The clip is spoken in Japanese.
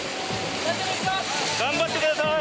頑張ってください。